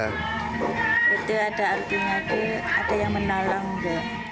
itu ada artinya ada yang menolong gitu